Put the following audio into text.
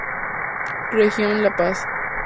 Regional La Paz.